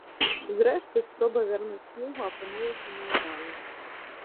Зрэшты, спроба вярнуць кнігу апынулася няўдалай.